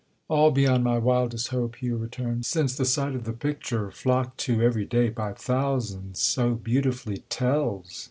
"All beyond my wildest hope," Hugh returned; "since the sight of the picture, flocked to every day by thousands, so beautifully tells.